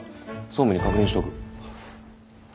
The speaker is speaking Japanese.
総務に確認しとく。